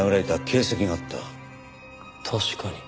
確かに。